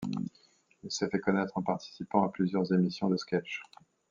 Il s'est fait connaître en participant à plusieurs émissions de sketches.